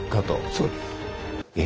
そうです。